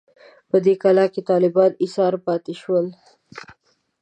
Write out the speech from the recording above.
په دې کلا کې طالبان ایسار پاتې شول.